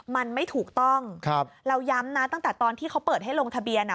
มันไม่ถูกต้องครับเราย้ำนะตั้งแต่ตอนที่เขาเปิดให้ลงทะเบียนอ่ะ